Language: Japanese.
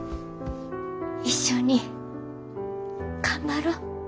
一緒に頑張ろ。